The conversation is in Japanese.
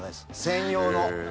専用の。